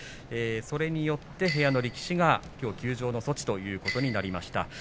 それによって部屋の力士が休場の措置ということになりました。